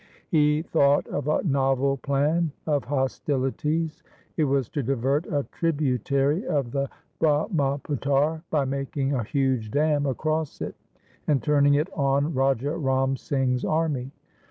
He thought of a novel plan of hostilities. It was to divert a tributary of the Brahmaputar by making a huge dam across it and turning it on Raja Ram Singh's army.